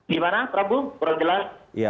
gimana prabu kurang jelas